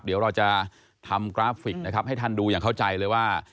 เดี๋ยวเราจะทำกราฟิกนะครับให้ท่านดูอย่างเข้าใจเลยว่า